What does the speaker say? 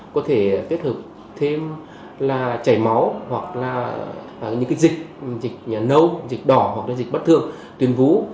có thể kết hợp thêm là chảy máu hoặc là những dịch nâu dịch đỏ hoặc dịch bất thường tuyên vú